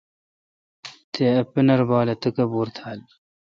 تے ا پنر بال اے°تکبیر تھال۔